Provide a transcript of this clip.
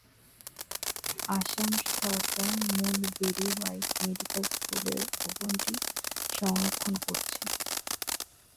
আসাম সরকার মূল Berry White medical স্কুলের ভবনটি সংরক্ষণ করেছে।